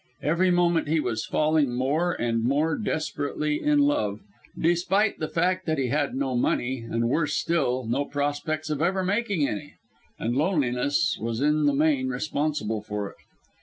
Every moment he was falling more and more desperately in love, despite the fact that he had no money, and worse still no prospects of ever making any. And loneliness was in the main responsible for it.